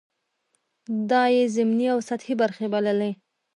دا یې ضمني او سطحې برخې بللې.